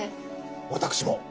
私も。